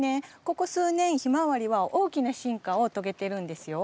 ここ数年ヒマワリは大きな進化を遂げてるんですよ。